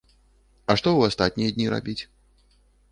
А што ў астатнія дні рабіць?